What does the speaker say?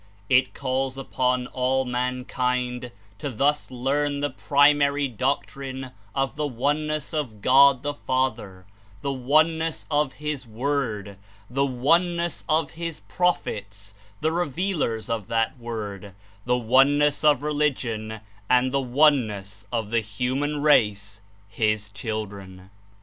It calls upon all mankind to thus learn the prlmar}^ doctrine of the Oneness of God the Father, the One ness of his Word, the oneness of his Prophets, the revealers of that Word, the oneness of religion, and the oneness of the human race, His children.